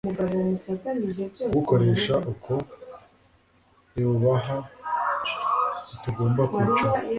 kubukoresha uko ibubaha Ntitugomba kwicara